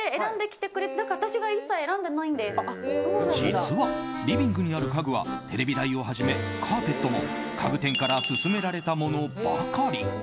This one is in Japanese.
実は、リビングにある家具はテレビ台をはじめカーペットも家具店から薦められたものばかり。